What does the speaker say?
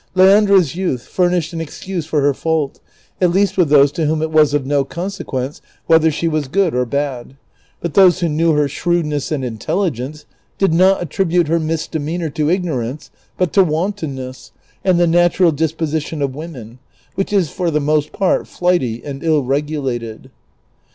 Leandra's youth furnished an excuse for her fault, at least with those to whom it was of no conse(|iience whether she was good or bad ; but those who knew her shrewdness and intelligence did not attribute her misdemeanor to ignorance but to wantonness and the natural disposition of women, which is for the most part flighty and ill regulated.